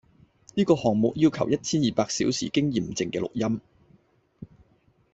呢個項目要求一千二百小時經驗証嘅錄音